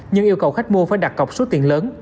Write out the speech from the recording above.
nhưng yêu cầu khách mua phải đặt cọc số tiền lớn